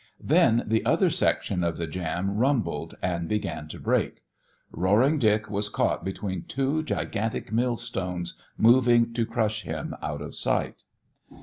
Then the other section of the jam rumbled and began to break. Roaring Dick was caught between two gigantic millstones moving to crush him out of sight.